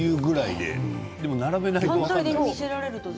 でも並べないと分からない。